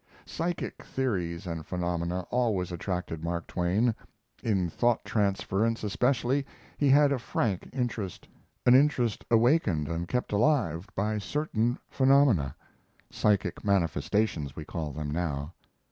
Psychic theories and phenomena always attracted Mark Twain. In thought transference, especially, he had a frank interest an interest awakened and kept alive by certain phenomena psychic manifestations we call them now.